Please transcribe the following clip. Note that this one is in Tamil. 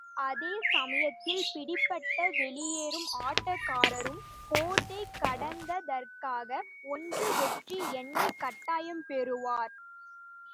அதே சமயத்தில் பிடிபட்ட வெளியேறும் ஆட்டக்காரரும், கோட்டைக் கடந்ததற்காக ஒன்று வெற்றி எண்ணைக் கட்டாயம் பெறுவார்.